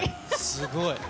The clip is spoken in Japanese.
すごい。